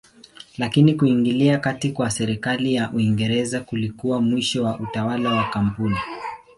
Lakini kuingilia kati kwa serikali ya Uingereza kulikuwa mwisho wa utawala wa kampuni.